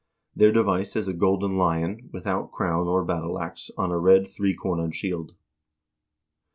Their device is a golden lion, without crown or battle ax, on a red three cornered shield.